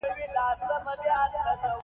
له جسدونو راپاتې شیانو سره متبرک چلند کوي